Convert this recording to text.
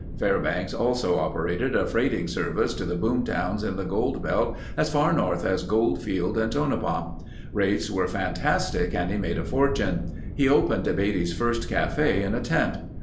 Fairbanks also operated a freighting service to the boom towns in the gold belt as far north as Goldfield and Tonopah. Rates were fantastic and he made a fortune. He opened Beatty's first cafe in a tent.